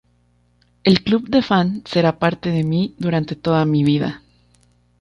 El Club de Fan será parte de mí durante toda mi vida.